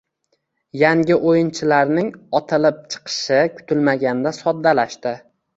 yangi o‘yinchilarning otilib chiqishi kutilmaganda soddalashdi.